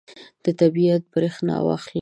طبیعي برېښنا واخلئ.